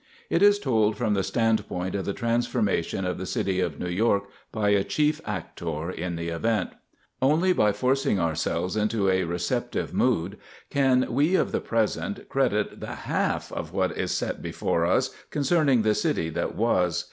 It is told from the standpoint of the transformation of the City of New York, by a chief actor in the event._ _Only by forcing ourselves into a receptive mood can we of the present credit the half of what is set before us concerning The City That Was.